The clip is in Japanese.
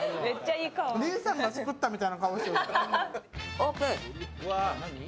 オープン！